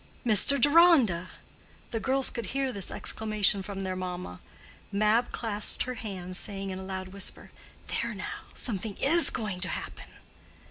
"Mr. Deronda!" The girls could hear this exclamation from their mamma. Mab clasped her hands, saying in a loud whisper, "There now! something is going to happen."